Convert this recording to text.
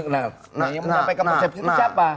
nah yang mengapai ke persepsi itu siapa